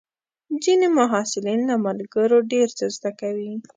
ځینې محصلین له ملګرو ډېر څه زده کوي.